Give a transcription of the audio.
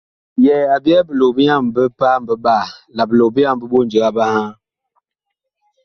Yɛɛ a byɛɛ bilog-bi-yaŋ bi paam biɓaa la bilog-bi-yaŋ bi ɓondiga biŋhaa.